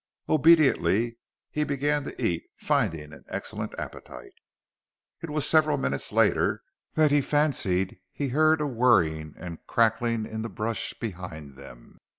Obediently, he began to eat, finding an excellent appetite.... It was several minutes later that he fancied he heard a whirring and crackling in the brush behind them.